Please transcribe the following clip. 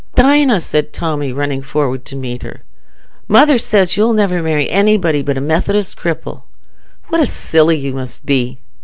"Dinah," said Tommy, running forward to meet her, "mother says you'll never marry anybody but a Methodist cripple. What a silly you must be!"